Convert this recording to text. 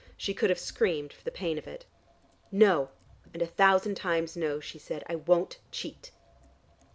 She could have screamed for the pain of it. "No, and a thousand times no," she said. "I won't cheat."